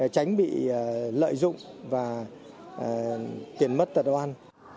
tránh bị lợi dụng và tiền mất tật oan